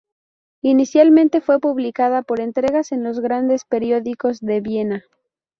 Inicialmente fue publicada por entregas en los grandes periódicos de Viena.